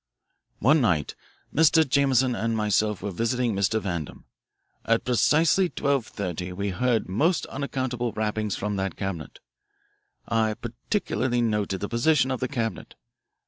"One night, Mr. Jameson and myself were visiting Mr. Vandam. At precisely twelve thirty we heard most unaccountable rappings from that cabinet. I particularly noted the position of the cabinet.